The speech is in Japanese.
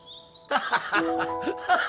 ハハハハ！